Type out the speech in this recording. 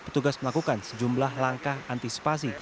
petugas melakukan sejumlah langkah antisipasi